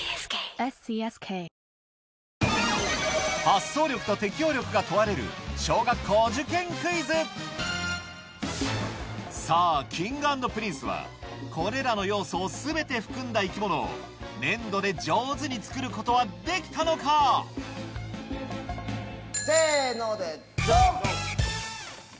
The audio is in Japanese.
発想力と適応力が問われるさぁＫｉｎｇ＆Ｐｒｉｎｃｅはこれらの要素を全て含んだ生き物を粘土で上手に作ることはできたのか⁉せのでドン！